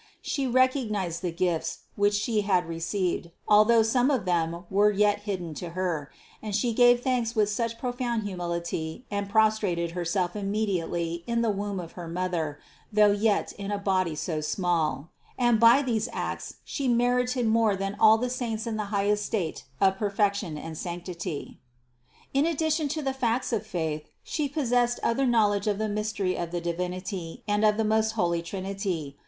She recognized the gifts, which She had received, although some of them were yet hidden to Her, and She gave thanks with profound humility and prostrated Herself immediately in the womb of her mother, though yet in a body so small; and by these acts She merited more than all the saints in the highest state of perfection and sanctity. 229. In addition to the facts of faith She possessed other knowledge of the mystery of the Divinity and of the most holy Trinity.